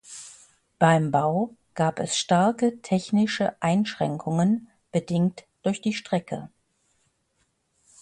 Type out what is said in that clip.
Beim Bau gab es starke technische Einschränkungen bedingt durch die Strecke.